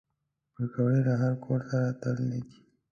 پکورې له هر کور سره تړلي دي